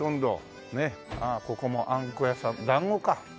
ああここもあんこ屋さん団子か。